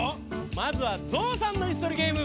まずはゾウさんのいすとりゲーム。